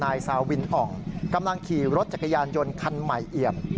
ซาวินอ่องกำลังขี่รถจักรยานยนต์คันใหม่เอี่ยม